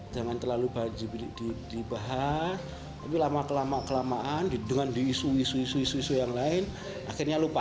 jangan terlalu dibahas tapi lama kelamaan dengan diisu isu yang lain akhirnya lupa